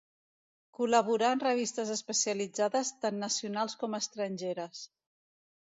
Col·laborà en revistes especialitzades tant nacionals com estrangeres.